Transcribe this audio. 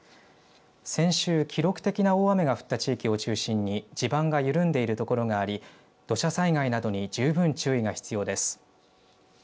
先週、記録的な大雨が降った地域を中心に地盤が緩んでいる所があり土砂災害などに十分注意が必要です。